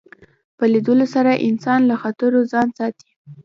په لیدلو سره انسان له خطرو ځان ساتي